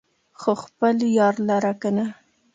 خو خپل يار لره کنه